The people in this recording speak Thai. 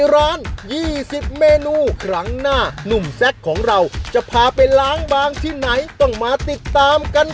ร้าน๒๐เมนูครั้งหน้านุ่มแซคของเราจะพาไปล้างบางที่ไหนต้องมาติดตามกัน